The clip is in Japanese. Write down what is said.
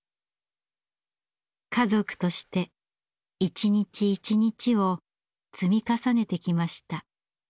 家族として一日一日を積み重ねてきました。